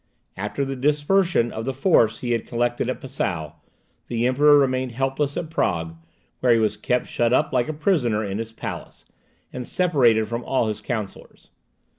After the dispersion of the force he had collected at Passau, the Emperor remained helpless at Prague, where he was kept shut up like a prisoner in his palace, and separated from all his councillors.